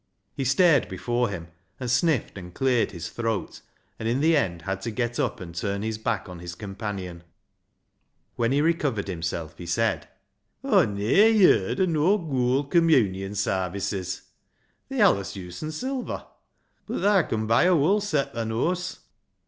He stared before him, and sniffed and cleared his throat, and in the end had to get up and turn his back on his companion. When he recovered himself, he said —" Aw ne'er yerd o' noa goold Communion sarvices. They allis usen silver. Bud thaa con bey a woll set, thaa knows."